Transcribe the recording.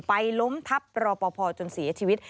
ล้มทับรอปภจนเสียชีวิต